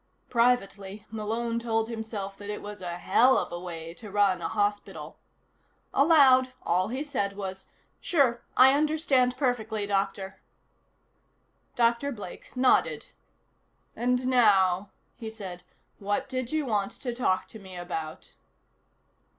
Privately, Malone told himself that it was a hell of a way to run a hospital. Aloud, all he said was: "Sure. I understand perfectly, Doctor." Dr. Blake nodded. "And now," he said, "what did you want to talk to me about?"